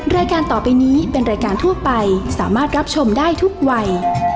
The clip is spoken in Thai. รายการต่อไปนี้เป็นรายการทั่วไปสามารถรับชมได้ทุกวัย